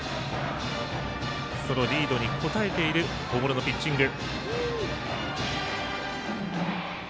そのリードに応えている大室のピッチング。